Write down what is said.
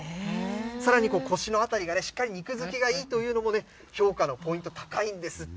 さらに腰の辺りがね、しっかり肉づきがいいというのもね、評価のポイント高いんですって。